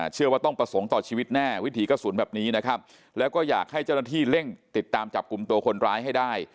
เชื่อว่าต้องประสงค์ต่อชีวิตแน่วิถีกระสุนแบบนี้นะครับแล้วก็อยากให้เจ้าหน้าที่เร่งติดตามจับกลุ่มตัวคนร้ายให้ได้